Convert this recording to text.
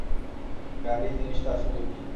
গাড়ি জিনিসটা আসলে কি?